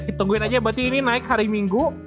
kita tungguin aja berarti ini naik hari minggu